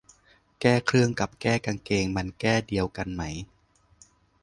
แก้เครื่องกับแก้กางเกงมันแก้เดียวกันไหม